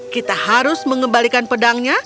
kita harus mengembalikan pedangnya